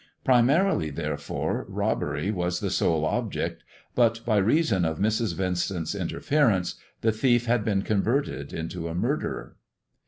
Primarily, therefore, robbery was the sole object, but, by reason of Mrs. Vincent's interference, the thief had been converted into a murderer.